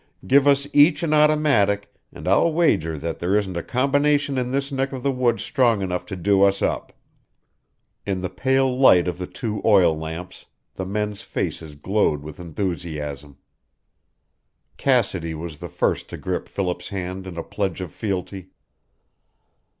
Give us each an automatic and I'll wager that there isn't a combination in this neck of the woods strong enough to do us up." In the pale light of the two oil lamps the men's faces glowed with enthusiasm. Cassidy was the first to grip Philip's hand in a pledge of fealty.